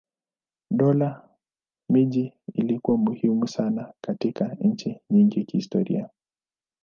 Dola miji ilikuwa muhimu sana katika nchi nyingi kihistoria.